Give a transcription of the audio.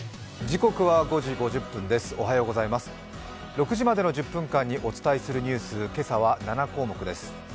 ６時までの１０分間にお伝えするニュース、今朝は７項目です。